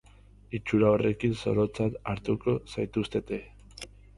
Itxura horrekin zorotzat hartuko zaituztete.